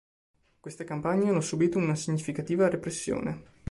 Queste campagne hanno subito una significativa repressione.